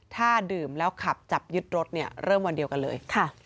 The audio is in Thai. ถ้าดื่มแล้วขับจับยึดรถเนี่ยเริ่มวันเดียวกันเลย